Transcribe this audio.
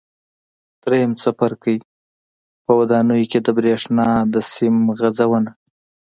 درېیم څپرکی: په ودانیو کې د برېښنا د سیم غځونه